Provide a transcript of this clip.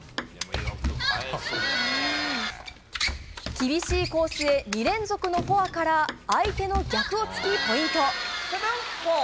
厳しいコースへ２連続のフォアから相手の逆を突き、ポイント。